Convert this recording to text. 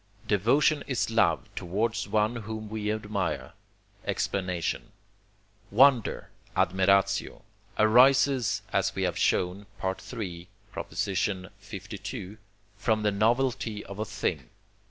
Devotion is love towards one whom we admire. Explanation Wonder (admiratio) arises (as we have shown, III. lii.) from the novelty of a thing.